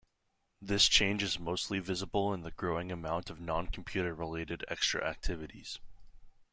This change is mostly visible in the growing amount of non-computer related extra activities.